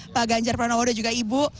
pak ganjar pranawodo juga ibu